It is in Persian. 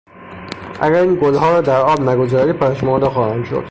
اگر این گلها را در آب نگذاری پژمرده خواهند شد.